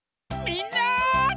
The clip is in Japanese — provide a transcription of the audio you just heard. みんな！